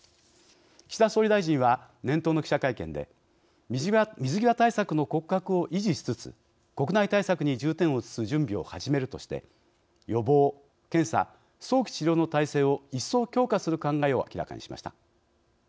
岸田総理大臣は年頭の記者会見で「水際対策の骨格を維持しつつ国内対策に重点を移す準備を始める」として予防・検査・早期治療の体制を一層強化する考えを明らかにしました。